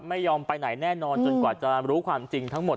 ไม่ยอมไปไหนแน่นอนจนกว่าจะรู้ความจริงทั้งหมด